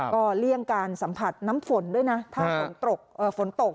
ก็เลี่ยงการสัมผัสน้ำฝนด้วยนะถ้าฝนตกฝนตก